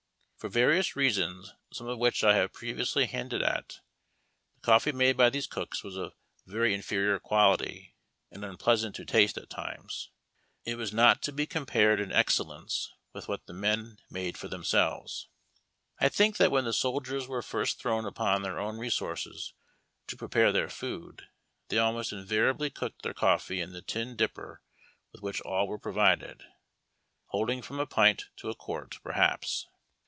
For various reasons, some of which I have previously hinted at, the coffee made by these cooks was of a ver}^ in THE COMPANY (OOK. ferior quality and unpleasant to taste at times. It was not to be compar ed in excellence with what the men made for themselves. I think that when the soldiers were first thrown upon their own resources to prepare their food, they almost invariably cooked their coffee in the tin dipper with which all were provided, holding from a pint to a quart, perhaps.